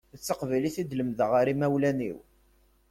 D taqbaylit i d-lemdeɣ ar imawlan-iw.